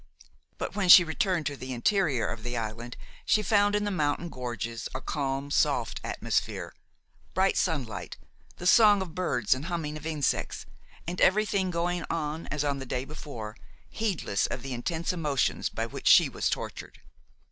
But when she returned to the interior of the island she found in the mountain gorges a calm, soft atmosphere, bright sunlight, the song of birds and humming of insects, and everything going on as on the day before, heedless of the intense emotions by which she was tortured.